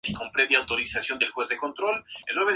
Fue hermano de Manuel Mujica Gallo.